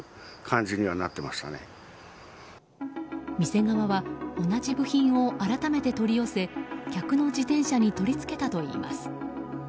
店側は同じ部品を改めて取り寄せ客の自転車に取り付けたといいます。